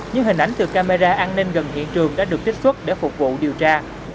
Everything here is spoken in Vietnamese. những hình ảnh từ camera an ninh gần hiện trường đã được trích xuất để phục vụ điều tra